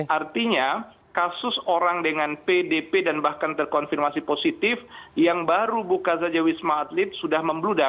artinya kasus orang dengan pdp dan bahkan terkonfirmasi positif yang baru buka saja wisma atlet sudah membludak